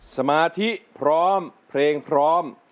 สมาธิพร้อมเพลงพร้อม